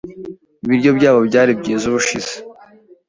Ibiryo byabo byari byiza ubushize.